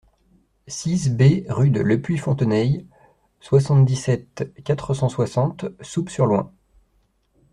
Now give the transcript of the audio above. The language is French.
six B rue de Lepuy Fonteneilles, soixante-dix-sept, quatre cent soixante, Souppes-sur-Loing